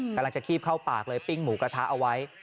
กำลังจะคีบเข้าปากเลยปิ้งหมูกระทะเอาไว้